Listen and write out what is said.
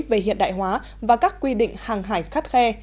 về hiện đại hóa và các quy định hàng hải khắt khe